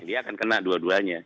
dia akan kena dua duanya